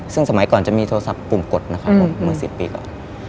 ซึ่งสมัยก่อนจะมีโทรศัพท์ปุ่มกดนะครับผมเมื่อ๑๐ปีก่อน